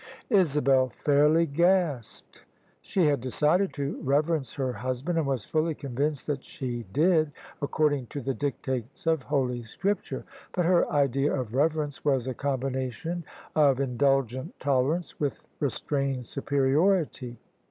Isabel fairly gasped. She had decided to reverence her husband, and was fully convinced that she did, according to the dictates of Holy Scripture: but her idea of reverence was a combination of indulgent tolerance with restrained superiority.